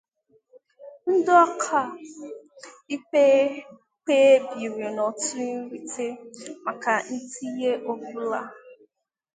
Ndị ọka ikpe kpebiri n'otu nrite maka ntinye ọ bụla.